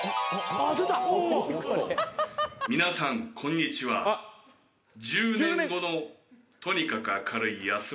皆さんこんにちは１０年後のとにかく明るい安村です。